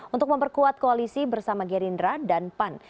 untuk memperkuat koalisi bersama gerindra dan pan